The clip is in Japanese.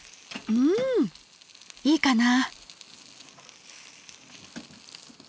うんいいかな。